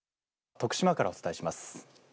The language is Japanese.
徳島からお伝えします。